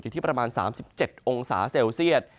อยู่ที่ประมาณ๓๗องศาเซลเซียต